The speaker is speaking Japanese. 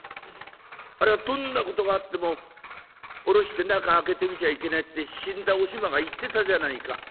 あれはどんなことがあっても下ろして中開けて見ちゃいけないって死んだおしまが言ってたじゃないか。